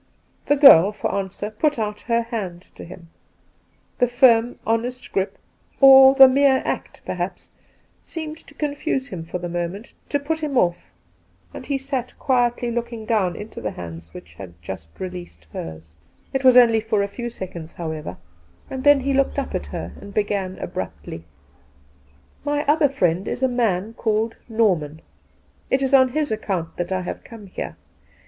The girl, for answer, put out her hand to him. The firm, honest grip, or the mere act perhaps, seemed to confuse him for the moment, to put^him off ;. and he sat silently looking down into the hands which had just released hers. It was only 214 Two Christmas Days for a few seconds, however, and then he looked up at her and began abruptly :' My other friend is a man named ITorman. It is on his account that I have come here.